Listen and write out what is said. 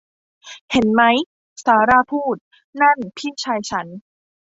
เห็นมั้ย ซาร่าพูด นั่นพี่ชายฉัน